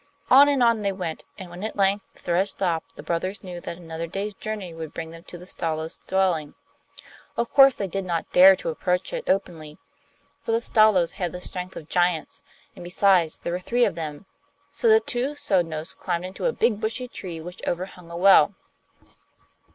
On and on they went, and when at length the thread stopped the brothers knew that another day's journey would bring them to the Stalos' dwelling. Of course they did not dare to approach it openly, for the Stalos had the strength of giants, and besides, there were three of them; so the two Sodnos climbed into a big bushy tree which overhung a well.